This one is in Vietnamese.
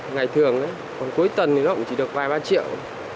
ngày thường còn cuối tuần thì nó cũng chỉ được vài ba triệu